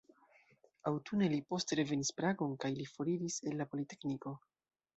Aŭtune li poste revenis Pragon kaj li foriris el la politekniko.